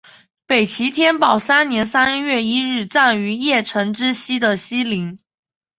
北齐天保三年三月一日葬于邺城之西的西陵。